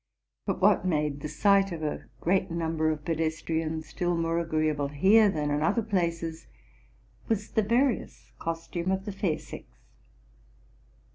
But what made the sight of a great number of pedestrians still more agreeable here than in other places, was the various costume of the fair sex.